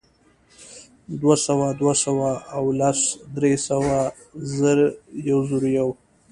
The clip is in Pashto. دوهسوه، دوه سوه او لس، درې سوه، زر، یوزرویو